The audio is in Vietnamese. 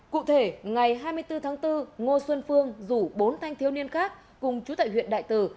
cụ thể ngày hai mươi bốn tháng bốn ngô xuân phương rủ bốn thanh thiếu niên khác cùng chú tại huyện đại từ